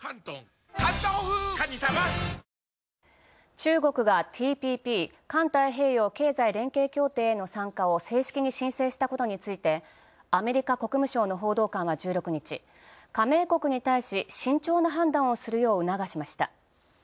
中国がＴＰＰ＝環太平洋経済連携協定への参加を正式に申請したことでアメリカ国務省の報道官は１６日、加盟国に対し慎重な判断をするよう促しました。